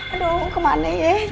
aduh kemana ya